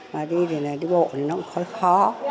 mà đi thì là đi bộ thì nó cũng khó